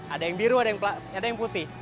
ada yang biru ada yang putih